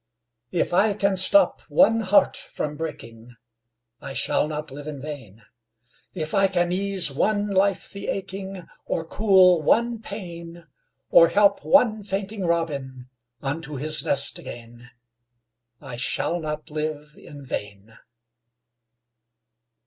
If I can stop one heart from breaking, I shall not live in vain; If I can ease one life the aching, Or cool one pain, Or help one fainting robin Unto his nest again, I shall not live in vain.